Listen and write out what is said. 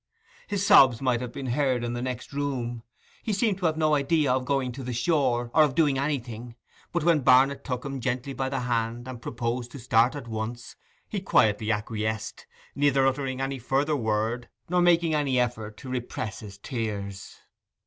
His sobs might have been heard in the next room. He seemed to have no idea of going to the shore, or of doing anything; but when Barnet took him gently by the hand and proposed to start at once, he quietly acquiesced, neither uttering any further word nor making any effort to repress his tears.